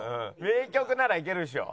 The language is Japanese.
名曲ならいけるでしょ？